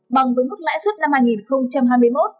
bằng với mức lãi suất năm hai nghìn hai mươi một